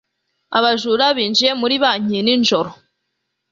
Abajura binjiye muri banki nijoro.